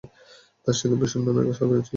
তাঁর সাথে বিশর নামে এক সাহাবীও ছিলেন।